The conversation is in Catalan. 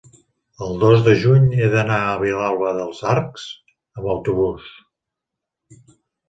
el dos de juny he d'anar a Vilalba dels Arcs amb autobús.